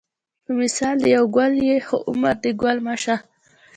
په مثال دې یو ګل یې خو عمر دې ګل مه شه